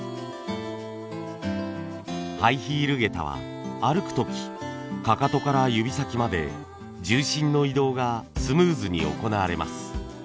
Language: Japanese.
ハイヒール下駄は歩く時かかとから指先まで重心の移動がスムーズに行われます。